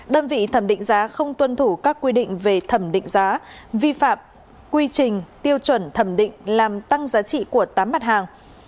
đơn vị thẩm định giá không tuân thủ các quy định về thẩm định giá vi phạm quy trình tiêu chuẩn thẩm định làm tăng giá trị của tám mặt hàng